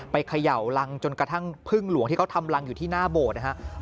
เขย่ารังจนกระทั่งพึ่งหลวงที่เขาทำรังอยู่ที่หน้าโบสถ์นะครับ